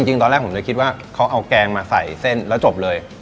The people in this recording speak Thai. จริงตอนแรกผมจะคิดว่าเขาเอาแกงมาใส่เส้นแล้วจบเลย